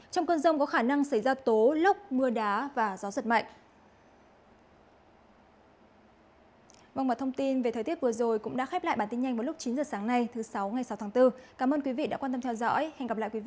trong cơn rông có khả năng xảy ra tố lốc mưa đá và gió giật mạnh